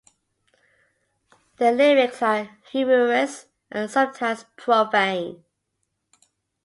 Their lyrics are humorous and sometimes profane.